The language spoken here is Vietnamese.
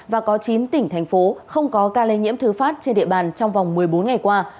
và có chín tỉnh thành phố không có ca lây nhiễm thứ phát trên địa bàn trong vòng một mươi bốn ngày qua